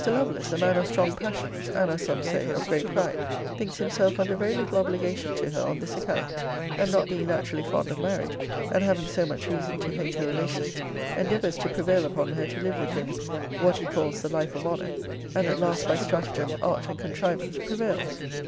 Lovelace, a man of strong passions, and, as some say, of great pride, thinks himself under very little obligation to her on this account; and not being naturally fond of marriage, and having so much reason to hate her relations, endeavours to prevail upon her to live with him what he calls the life of honour; and at last, by stratagem, art, and contrivance, prevails.